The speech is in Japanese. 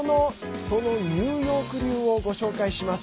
そのニューヨーク流をご紹介します。